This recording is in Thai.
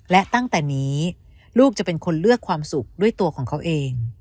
และตั้งแต่นี้ลูกจะเป็นคนเลือกความสุขด้วยตัวของเขาเอง